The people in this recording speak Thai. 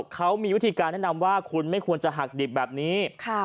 เขามีวิธีการแนะนำว่าคุณไม่ควรจะหักดิบแบบนี้